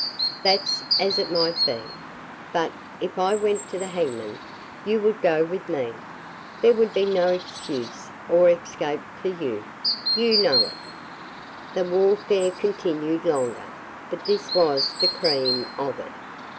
"'That's as it might be. But, if I went to the hangman, you would go with me. There would be no excuse or escape for you. You know it.'" The warfare continued longer, but this was the cream of it.